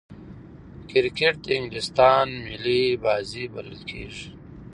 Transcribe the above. کرکټ د انګلستان ملي بازي بلل کیږي.